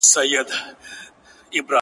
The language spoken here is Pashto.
o د ځان وژني د رسۍ خریدارۍ ته ولاړم.